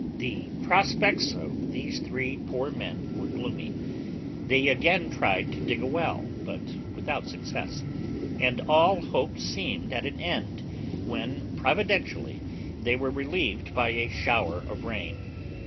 The prospects of these three poor men were gloomy: they again tried to dig a well, but without success, and all hope seemed at an end, when providentially they were relieved by a shower of rain.